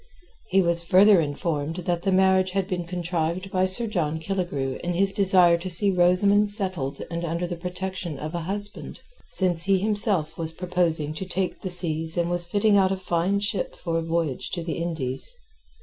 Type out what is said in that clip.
He was further informed that the marriage had been contrived by Sir John Killigrew in his desire to see Rosamund settled and under the protection of a husband, since he himself was proposing to take the seas and was fitting out a fine ship for a voyage to the Indies.